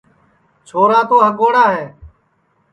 چھورا تو ہگوڑا ہے